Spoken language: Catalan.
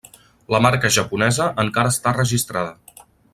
La marca japonesa encara està registrada.